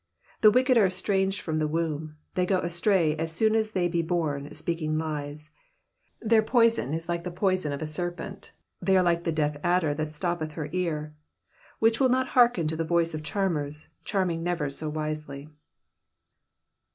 3 The wicked are estranged from the womb : they go astray as soon as they be born, speaking lies, 4 Their poison is like the poison of a serpent : ti^y are like the deaf adder tAat stoppeth her ear ; 5 Which will not hearken to the voice of charmers, charming never so wisely.